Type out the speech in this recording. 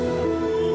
sedikit lagi bu ayah